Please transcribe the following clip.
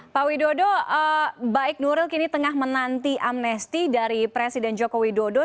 pak widodo baik nuril kini tengah menanti amnesti dari presiden joko widodo